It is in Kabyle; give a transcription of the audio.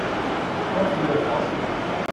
Ur t-yeẓẓar.